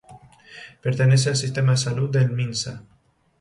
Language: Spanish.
Pertenece al sistema de salud del Minsa.